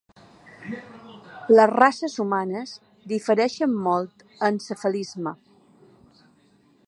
Les races humanes difereixen molt en cefalisme.